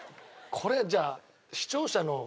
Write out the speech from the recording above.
これじゃあ視聴者のねっ。